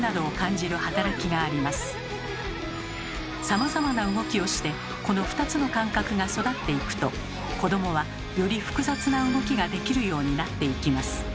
さまざまな動きをしてこの２つの感覚が育っていくと子どもはより複雑な動きができるようになっていきます。